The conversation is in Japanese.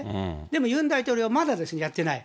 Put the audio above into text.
でも、ユン大統領はまだやってない。